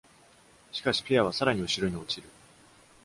しかし、ペアはさらに後ろに落ちる。